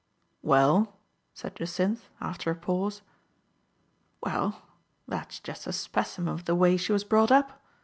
" Well ?" said Jacynth, after a pause. " Well, that's just a specimen of the way she was brought up.